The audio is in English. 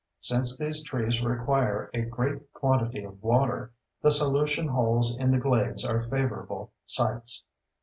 Since these trees require a great quantity of water, the solution holes in the glades are favorable sites.